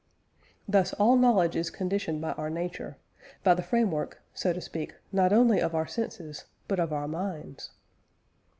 Thus all knowledge is conditioned by our nature, by the framework, so to speak, not only of our senses but of our minds.